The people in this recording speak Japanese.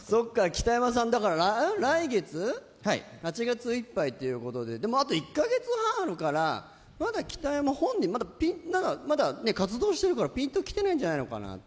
北山さん、来月８月いっぱいということで、あと１か月半あるからまだ北山本人、まだ活動してるからピンときてないんじゃないかな。